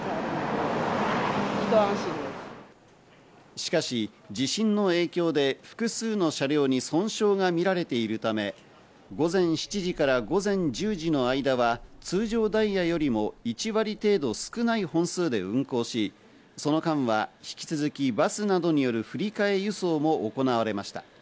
しかし地震の影響で複数の車両に損傷が見られているため、午前７時から午前１０時の間は通常ダイヤよりも１割程度少ない本数で運行し、その間は引き続き、バスなどによる振り替え輸送も行われました。